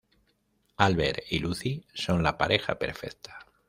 Albert y Lucy son la pareja perfecta.